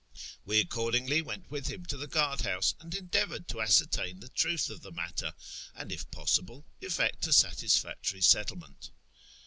We accordingly went with him to the guard house, and endeavoured to ascertain the truth of the matter, and, if possible, effect a satisfactory settlement.